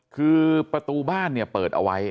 คือประตูบ้านเนี่ยเปิดเอาไว้